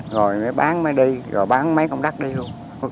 rồi bán máy đi rồi bán mấy con đất đi luôn